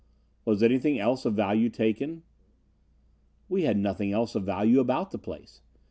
"Was anything else of value taken?" "We had nothing else of value about the place.